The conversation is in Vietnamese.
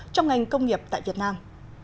trong ngành công nghiệp tại việt nam